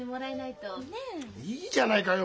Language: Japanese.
いいじゃないかよ。